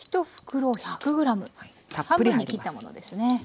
１袋１００ｇ半分に切ったものですね。